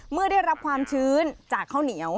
เมื่อได้รับความชื้นจากข้าวเหนียว